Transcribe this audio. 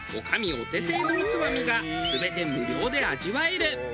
お手製のおつまみが全て無料で味わえる。